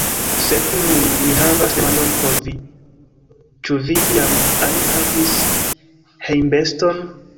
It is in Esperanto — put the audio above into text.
Sed nun mi havas demandon por vi, Ĉu vi, iam ajn, havis hejmbeston?